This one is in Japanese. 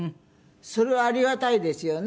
それはありがたいですよね。